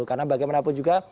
karena bagaimanapun juga